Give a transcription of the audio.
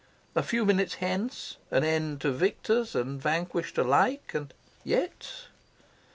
A few minutes hence, an end to victors and vanquished alike; and yet...